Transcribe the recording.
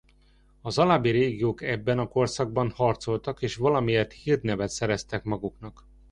Az alábbi légiók ebben a korszakban harcoltak és valamiért hírnevet szereztek maguknak.